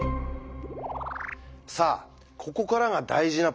さあここからが大事なポイントです。